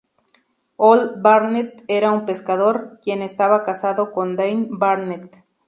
Old Barnet era un pescador, quien estaba casado con Dame Barnet.